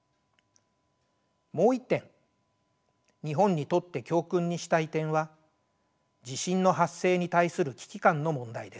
もう一点日本にとって教訓にしたい点は地震の発生に対する危機感の問題です。